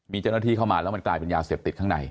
มีเจ้าหน้าที่เข้ามาแล้วมันกลายเป็นยาเสพติดข้างใน